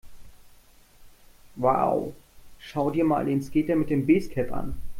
Wow, schau dir mal den Skater mit dem Basecap an!